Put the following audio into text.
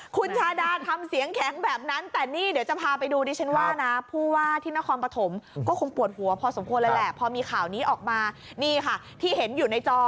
คุณชาดาทำเสียงแข็งแบบนั้นแต่นี่เดี๋ยวจะพาไปดู